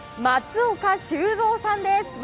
松岡修造さんです！